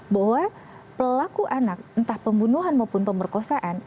bahwa pelaku anak entah pembunuhan maupun pemerkosaan